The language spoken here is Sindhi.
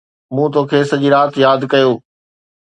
مون توکي سڄي رات ياد ڪيو